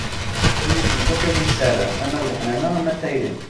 Imi i s-yefka akk ayen i tessaram ama d leḥnana, ama d tayri.